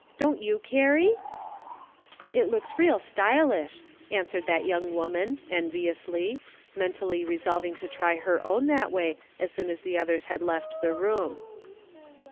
Don't you, Carrie ?"" It looks real stylish," answered that young woman, enviously, mentally resolving to try her own that way as soon as the others had left the room.